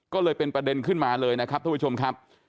ก็เลยเป็นประเด็นขึ้นมาเลยนะครับทุกผู้ชมครับ